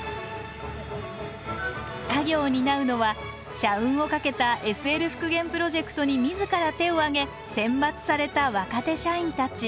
作業を担うのは社運をかけたＳＬ復元プロジェクトに自ら手を挙げ選抜された若手社員たち。